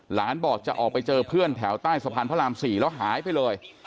บอกจะออกไปเจอเพื่อนแถวใต้สะพานพระราม๔แล้วหายไปเลย